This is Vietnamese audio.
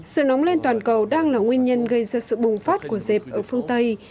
sự nóng lên toàn cầu đang là nguyên nhân gây ra sự bùng phát của dẹp ở phương tây